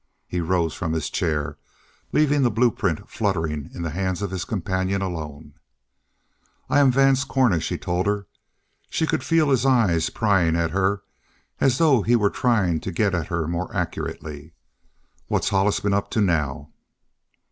He rose from his chair, leaving the blueprint fluttering in the hands of his companion alone. "I am Vance Cornish," he told her. She could feel his eyes prying at her as though he were trying to get at her more accurately. "What's Hollis been up to now?"